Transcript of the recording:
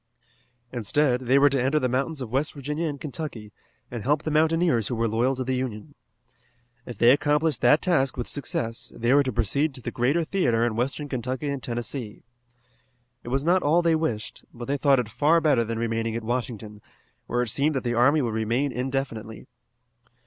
Instead they were to enter the mountains of West Virginia and Kentucky, and help the mountaineers who were loyal to the Union. If they accomplished that task with success, they were to proceed to the greater theatre in Western Kentucky and Tennessee. It was not all they wished, but they thought it far better than remaining at Washington, where it seemed that the army would remain indefinitely.